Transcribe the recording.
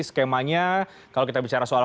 skemanya kalau kita bicara soal